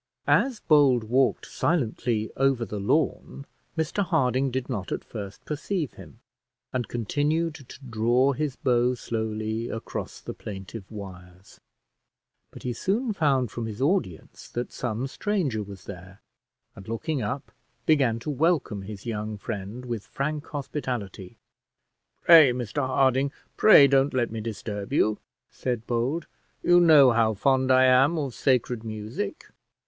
As Bold walked silently over the lawn, Mr Harding did not at first perceive him, and continued to draw his bow slowly across the plaintive wires; but he soon found from his audience that some stranger was there, and looking up, began to welcome his young friend with frank hospitality. "Pray, Mr Harding pray don't let me disturb you," said Bold; "you know how fond I am of sacred music."